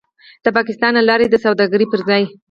د پاکستان له لارې د سوداګرۍ پر ځای